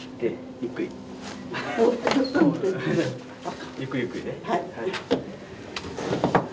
ゆっくりゆっくりね。